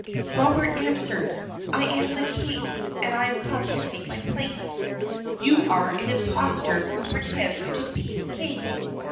Robert answered, "I am the king, and I have come to take my place; you are an imposter who pretends to be king."